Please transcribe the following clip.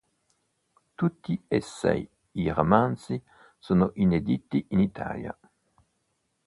Tutti e sei i romanzi sono inediti in Italia.